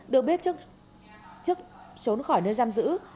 được biết chức trốn khỏi nơi giam giữ